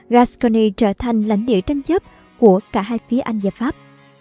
gascony trở thành lãnh địa tranh chấp của cả hai phía anh và pháp